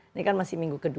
ini kan masih minggu ke dua